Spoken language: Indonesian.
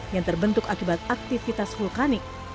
yang terbentuk akibat aktivitas vulkanik